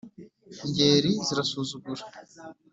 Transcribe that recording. ingeri zirasuzugura